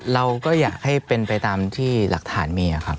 เราก็อยากให้เป็นไปตามที่หลักฐานมีครับ